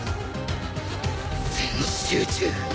全集中